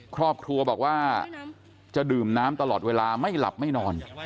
ครอบครัวบอกว่าจะดื่มน้ำตลอดเวลาไม่หลับไม่นอน